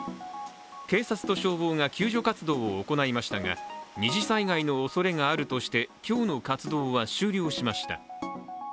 警察と消防が救助活動を行いましたが二次災害のおそれがあるとして、今日の活動は終了しました。